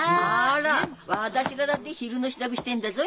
あら私らだって昼の支度してんだぞい。